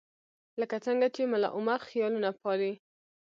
لکه څنګه چې ملاعمر خیالونه پالي.